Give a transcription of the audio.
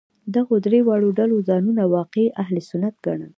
دغو درې واړو ډلو ځانونه واقعي اهل سنت ګڼل.